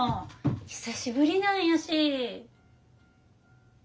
久しぶりなんやし。